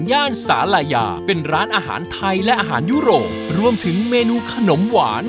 ย่านสาลายาเป็นร้านอาหารไทยและอาหารยุโรปรวมถึงเมนูขนมหวาน